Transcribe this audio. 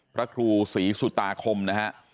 พระครูศรีสุตาคมนะฮะ